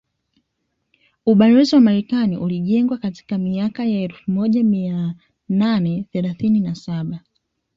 Ubalozi wa Marekani ulijengwa katika miaka ya elfu moja mia nane thelathini na saba